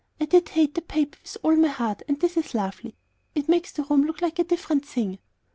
I did hate that paper with all my heart, and this is lovely. It makes the room look like a different thing."